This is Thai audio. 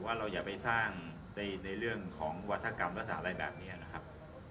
ว่าเราอย่าไปสร้างในเรื่องของวัฒกรรมรักษาอะไรแบบนี้นะครับ